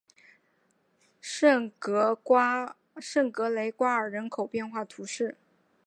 圣格雷瓜尔人口变化图示